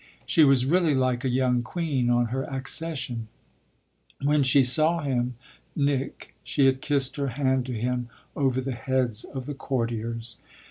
She was really like a young queen on her accession. When she saw him, Nick, she had kissed her hand to him over the heads of the courtiers.